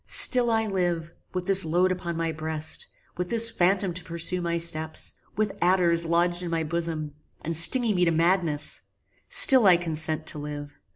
Still I live: with this load upon my breast; with this phantom to pursue my steps; with adders lodged in my bosom, and stinging me to madness: still I consent to live!